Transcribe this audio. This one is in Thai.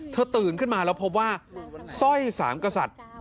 ตื่นขึ้นมาแล้วพบว่าสร้อยสามกษัตริย์